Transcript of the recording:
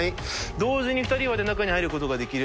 同時に２人まで中に入ることができる。